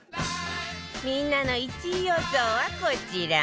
みんなの１位予想はこちら